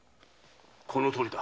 このとおりだ。